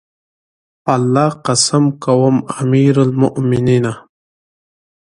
په الله قسم کوم امير المؤمنینه!